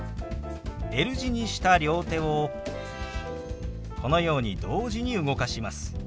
Ｌ字にした両手をこのように同時に動かします。